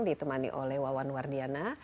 ditemani oleh wawan wardiana